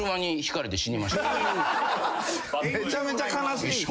めちゃめちゃ悲しい！